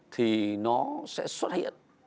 thì nó sẽ xuất hiện